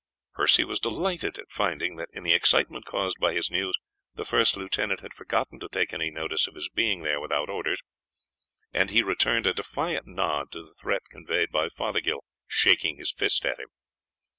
Percy was delighted at finding that, in the excitement caused by his news, the first lieutenant had forgotten to take any notice of his being there without orders, and he returned a defiant nod to the threat conveyed by Fothergill shaking his fist at him.